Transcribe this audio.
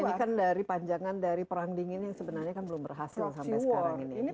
ini kan dari panjangan dari perang dingin yang sebenarnya kan belum berhasil sampai sekarang ini